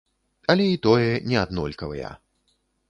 Але і тое не аднолькавыя!